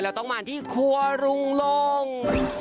เราต้องมาที่ครัวรุงลง